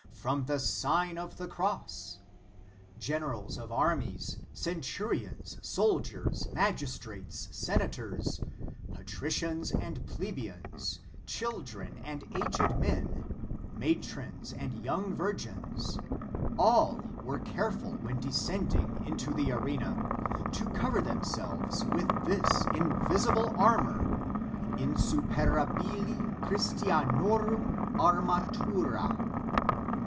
From the Sign of tfre Cross. Generals of armies, cen turions, soldiers, magistrates, senators, patri cians, and plebeians, children and aged men, matrons and young virgins, all were careful when descending into the arena, to cover themselves with this invincible armor: insu perabili christianorum armatnra.